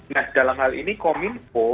nah dalam hal ini kominfo